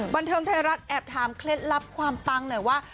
บันเทิงไทยรัฐแอบถามเคล็ดลับความปังหน่อยว่า